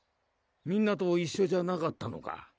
みんなと一緒じゃなかったのか？